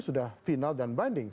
sudah final dan banding